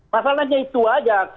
masalahnya itu saja